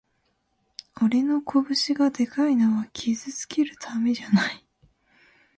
俺の拳がでかいのは傷つけるためじゃない